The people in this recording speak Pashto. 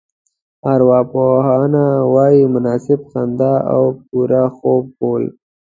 ارواپوهنه وايي مناسبه خندا او پوره خوب کول.